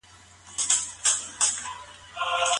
ښه چلند مو د ژوند د ټولو مسولیتونو په سرته رسولو کي مرسته کوي.